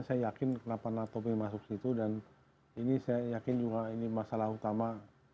saya yakin kenapa natope masuk situ dan ini saya yakin juga ini masalah utama